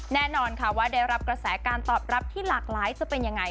แน่นอนค่ะว่าได้รับกระแสการตอบรับที่หลากหลายจะเป็นยังไง